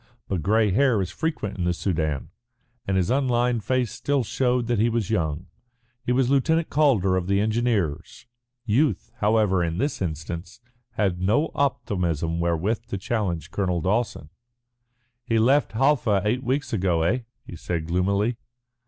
But grey hair is frequent in the Soudan, and his unlined face still showed that he was young. He was Lieutenant Calder of the Engineers. Youth, however, in this instance had no optimism wherewith to challenge Colonel Dawson. "He left Halfa eight weeks ago, eh?" he said gloomily.